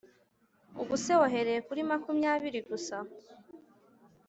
ubuse wahereye kuri makumyabiri gusa